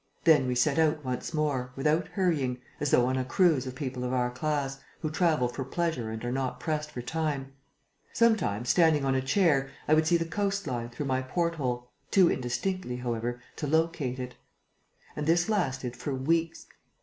Then we set out once more, without hurrying, as though on a cruise of people of our class, who travel for pleasure and are not pressed for time. Sometimes, standing on a chair, I would see the coastline, through my port hole, too indistinctly, however, to locate it. And this lasted for weeks.